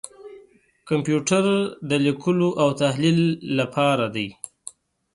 کمپیوټر لیکلو او تحلیل لپاره دی.